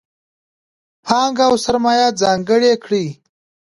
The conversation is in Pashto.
پانګه او سرمایه ځانګړې کړي.